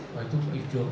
oh itu pak ijo